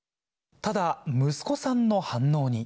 ただ、息子さんの反応に。